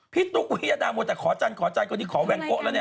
พี่ตุ๊กวิยดาหมดแต่ขอจันคนที่ขอแวงโกะแล้วเนี่ย